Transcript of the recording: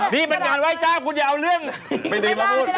นี่เรามันการไหว้เจ้า